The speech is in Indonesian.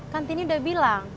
kan tini udah bilang